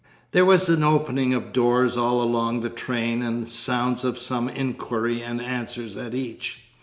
There was an opening of doors all along the train, and sounds of some inquiry and answer at each.